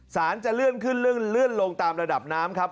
สารจะเลื่อนขึ้นเลื่อนลงตามระดับน้ำครับ